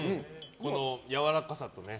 やわらかさとね。